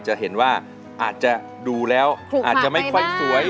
จะเห็นว่าอาจจะดูแล้วอาจจะไม่ค่อยสวย